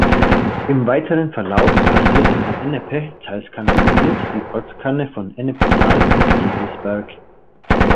Im weiteren Verlauf passiert die Ennepe, teils kanalisiert, die Ortskerne von Ennepetal und Gevelsberg.